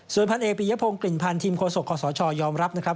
ส่วนพันเอกปียพงศ์กลิ่นพันธ์ทีมโฆษกขอสชยอมรับนะครับ